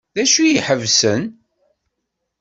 D acu ay k-iḥebsen?